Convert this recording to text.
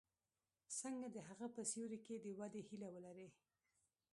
څنګه د هغه په سیوري کې د ودې هیله ولري.